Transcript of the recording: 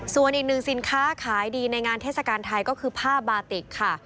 ส่วนอีกหนึ่งสินค้าขายดีในงานเทศกาลไทยก็คือผ้าบาติกค่ะ